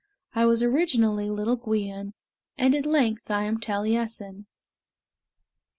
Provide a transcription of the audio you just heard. I was originally little Gwion, And at length I am Taliessin."